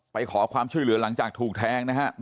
ไปขอความช่วยเหลือหลังจากถูกแทงนะครับ